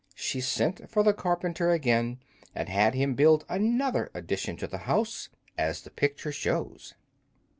She sent for the carpenter again, and had him build another addition to her house, as the picture shows.